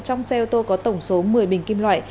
trong xe ô tô có tổng số một mươi bình kim loại